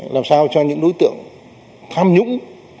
làm sao cho những đối tượng tham nhũng